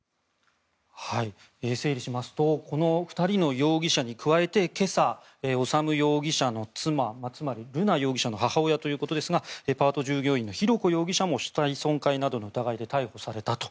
整理しますとこの２人の容疑者に加えて今朝、修容疑者の妻つまり、瑠奈容疑者の母親ということですがパート従業員の浩子容疑者も死体損壊などの疑いで逮捕されたと。